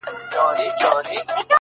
لـكــه دی لـــونــــــگ-